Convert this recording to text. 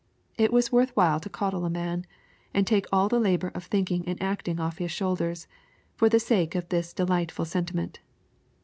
It was worth while to coddle a man, and take all the labor of thinking and acting off his shoulders, for the sake of this delightful sentiment.